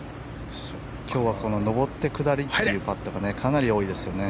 今日は上って下りというパットがかなり多いですよね。